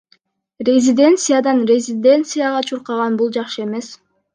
Резиденциядан резиденцияга чуркаган — бул жакшы эмес.